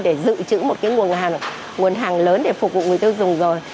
để dự trữ một nguồn hàng lớn để phục vụ người tiêu dùng rồi